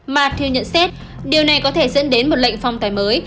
mathieu nhận xét điều này có thể dẫn đến một lệnh phong tài mới